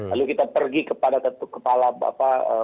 lalu kita pergi kepada kepala menteri ketua bapak